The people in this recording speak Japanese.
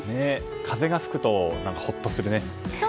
風が吹くとほっとするね。